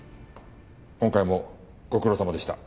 今回もご苦労さまでした。